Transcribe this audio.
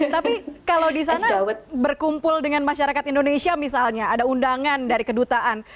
tapi kalau di sana berkumpul dengan masyarakat indonesia misalnya ada undangan dari kedutaan